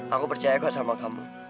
aku percaya kok sama kamu